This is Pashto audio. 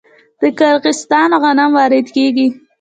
د قزاقستان غنم وارد کیږي.